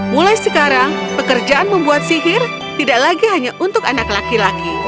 mulai sekarang pekerjaan membuat sihir tidak lagi hanya untuk anak laki laki